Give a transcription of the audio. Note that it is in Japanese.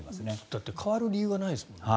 だって代わる理由がないですもんね。